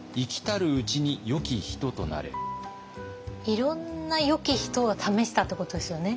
いろんな「よき人」を試したってことですよね。